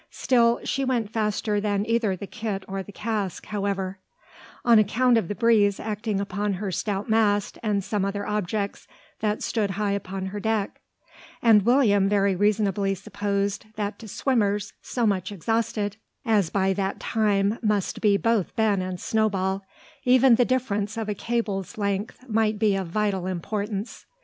Still she went faster than either the kit or the cask, however; on account of the breeze acting upon her stout mast and some other objects that stood high upon her deck; and William very reasonably supposed that to swimmers so much exhausted, as by that time must be both Ben and Snowball, even the difference of a cable's length might be of vital importance.